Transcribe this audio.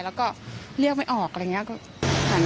แล้วก็เรียกไม่ออกอะไรอย่างนี้